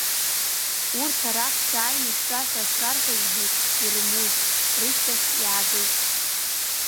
Урҭ, арахь шәааины шәтәа ҳәа шрарҳәазгьы, ирымузт, рышьҭахь иаагылт.